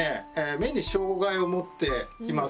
目に障害を持っています。